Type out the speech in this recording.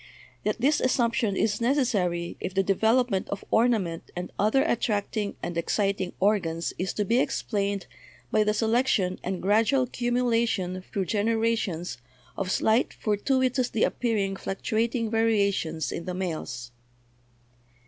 Yet this assump tion is necessary if the development of ornament and other attracting and exciting organs is to be explained by the selection and gradual cumulation through genera tions of slight fortuitously appearing fluctuating varia tions in the males.